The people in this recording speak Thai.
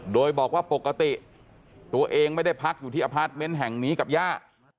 โดยบอกว่าปกติตัวเองไม่ได้พักอยู่ที่อพาร์ทเมนต์แห่งนี้กับย่า